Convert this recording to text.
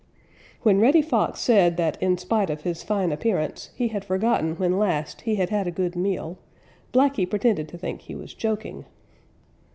When Reddy Fox said that in spite of his fine appearance he had forgotten when last he had had a good meal, Blacky pretended to think he was joking.